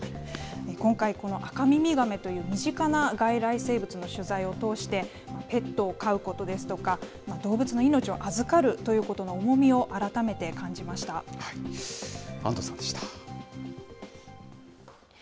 今回、このアカミミガメという身近な外来生物の取材を通して、ペットを飼うことですとか、動物の命を預かるということの重みを改安藤さんでした。